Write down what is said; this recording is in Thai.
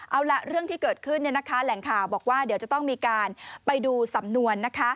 เอาล่ะเรื่องที่เกิดขึ้นแหล่งข่าวบอกว่าเดี๋ยวจะต้องมีการไปดูสำนวน